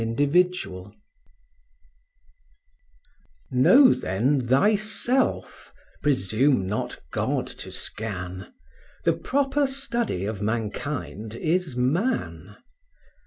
Know, then, thyself, presume not God to scan; The proper study of mankind is man.